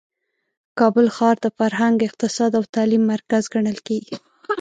کابل ښار د فرهنګ، اقتصاد او تعلیم مرکز ګڼل کیږي.